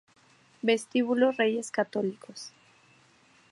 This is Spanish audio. Vestíbulo Reyes Católicos